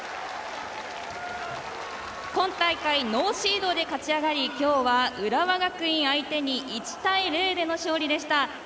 今大会、ノーシードで勝ち上がり今日は浦和学院相手に１対０での勝利でした。